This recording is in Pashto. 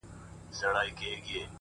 باران زما د کور له مخې څخه دوړې يوړې’